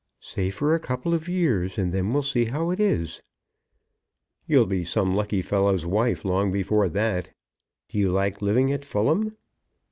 "Say for a couple of years, and then we'll see how it is." "You'll be some lucky's fellow's wife long before that. Do you like living at Fulham?"